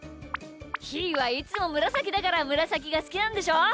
ひーはいつもむらさきだからむらさきがすきなんでしょう？